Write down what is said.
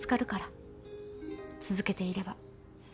続けていれば。